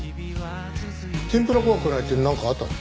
「天ぷら怖くない」ってなんかあったの？